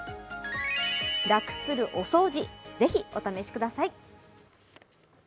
楽するお掃除、ぜひお試しください！